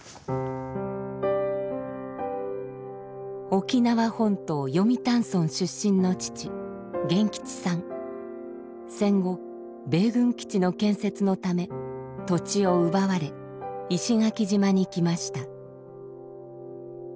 沖縄本島読谷村出身の父戦後米軍基地の建設のため土地を奪われ石垣島に来ました。